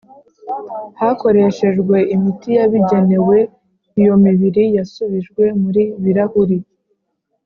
Hakoreshejwe imiti yabigenewe iyo mibiri yasubijwe muri birahuri